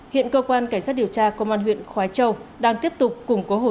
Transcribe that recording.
hiện cơ quan cảnh sát điều tra công an huyện khói châu đang tiếp tục củng cố hồ sơ để đấu tranh làm rõ